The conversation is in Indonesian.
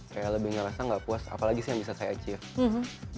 kayak lebih ngerasa gak puas apalagi sih yang bisa saya achieve